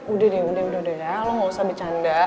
udah deh udah deh lo gak usah bercanda